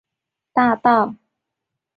城市中有大片的绿地和宽阔的大道。